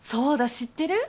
知ってる？